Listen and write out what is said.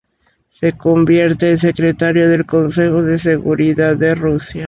Se convierte en secretario del Consejo de Seguridad de Rusia.